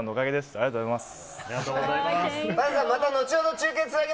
ありがとうございます。